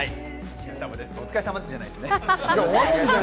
お疲れ様です、じゃないですね。